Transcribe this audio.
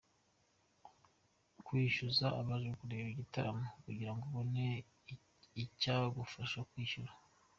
kwishyuza abaje kureba igitaramo kugira ngo ubone icyagufasha kwishyura.